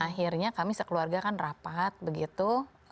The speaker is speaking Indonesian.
akhirnya kami sekeluarga kan rapat begitu